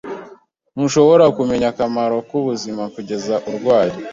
Ntushobora kumenya akamaro k'ubuzima kugeza urwaye.